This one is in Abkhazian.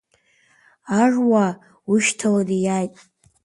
Аруаа ушьҭаланы иааит.